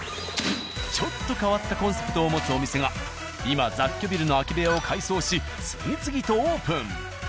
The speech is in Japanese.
ちょっと変わったコンセプトを持つお店が今雑居ビルの空き部屋を改装し次々とオープン。